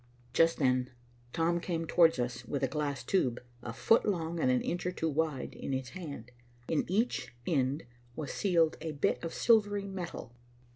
Just then Tom came towards us with a glass tube, a foot long and an inch or two wide, in his hand. In each end was sealed a bit of silvery metal.